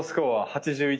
８１？